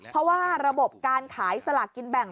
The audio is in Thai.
เพราะว่าระบบการขายสลากกินแบ่ง